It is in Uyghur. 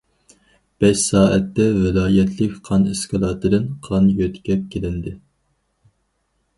بەش سائەتتە ۋىلايەتلىك قان ئىسكىلاتىدىن قان يۆتكەپ كېلىندى.